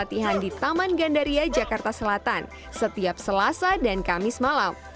gapapa butuh pembeli tapi mereka berhasil melakukan latihan di taman gandaria jakarta selatan setiap selasa dan kamis malam